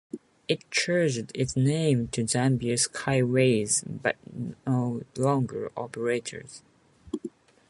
It changed its name to Zambia Skyways, but no longer operates.